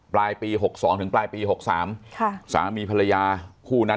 ปลายปี๖๒ถึงปลายปี๖๓สามีภรรยาคู่นั้น